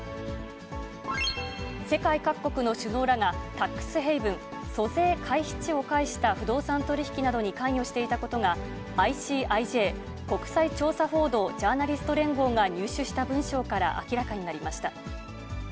世界各国の首脳らが、タックスヘイブン・租税回避地を介した不動産取り引きなどに関与していたことが、ＩＣＩＪ・国際調査報道ジャーナリスト連合が入手した文書などから明らかになりました。